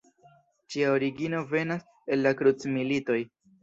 Ĝia origino venas el la Krucmilitoj.